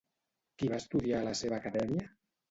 Qui va estudiar a la seva acadèmia?